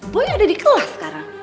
boy ada di kelas sekarang